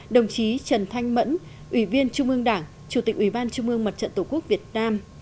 đồng chí trần thanh mẫn ủy viên trung ương đảng chủ tịch ủy ban trung ương mặt trận tổ quốc việt nam